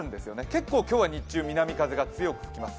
結構今日は南風が強く吹きます。